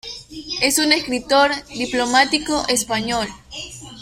Es un escritor y diplomático español.